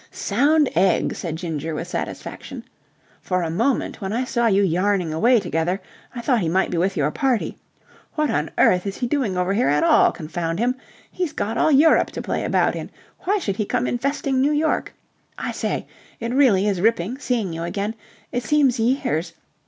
"Sound egg!" said Ginger with satisfaction. "For a moment, when I saw you yarning away together, I thought he might be with your party. What on earth is he doing over here at all, confound him? He's got all Europe to play about in, why should he come infesting New York? I say, it really is ripping, seeing you again. It seems years...